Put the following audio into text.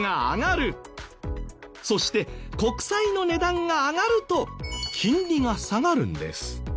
そして国債の値段が上がると金利が下がるんです。